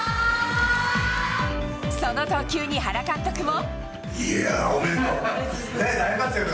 その投球に、原監督も。